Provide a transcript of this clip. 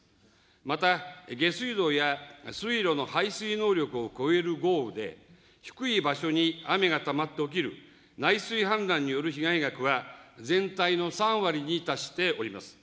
また下水道や水路の排水能力を超える豪雨で、低い場所に雨がたまって起きる、内水氾濫による被害額は、全体の３割に達しております。